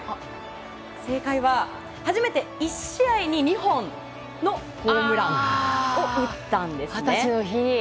正解は初めて１試合に２本のホームランを打ったんですね。